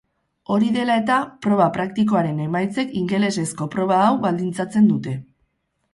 Hori dela eta, proba praktikoaren emaitzek ingelesezko proba hau baldintzatzen dute.